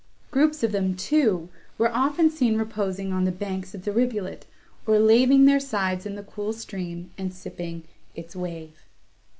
Groups of them, too, were often seen reposing on the banks of the rivulet, or laving their sides in the cool stream, and sipping its wave.